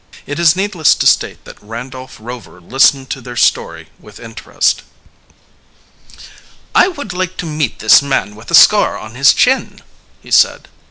It is needless to state that Randolph Rover listened to their story with interest. "I would like to meet this man with a scar on his chin," he said.